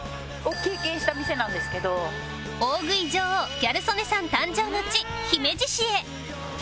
大食い女王ギャル曽根さん誕生の地姫路市へ